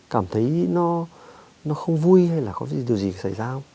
cảm thấy nó không vui hay là có điều gì xảy ra